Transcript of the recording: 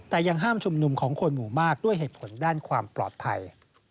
แต่ยังห้ามชุมนุมของคนหมู่มากด้วยเหตุผลด้านความปลอดภัย